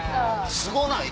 すごない？